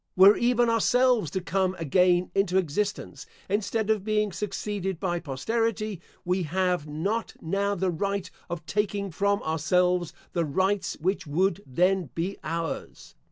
Were even ourselves to come again into existence, instead of being succeeded by posterity, we have not now the right of taking from ourselves the rights which would then be ours.